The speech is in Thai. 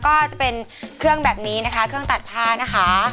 ก็จะเป็นเครื่องแบบนี้นะคะเครื่องตัดผ้านะคะ